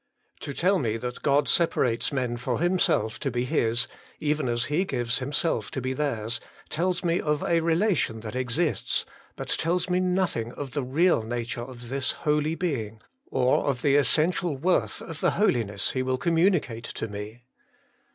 To tell me that God separates men for Himself to be His, even as He gives Himself to be theirs, tells me of a relation that exists, but tells me 1 See Note B. HOLINESS AND SEPARATION. 91 nothing of the real nature of this Holy Being, or of the essential worth of the holiness He will com municate to me.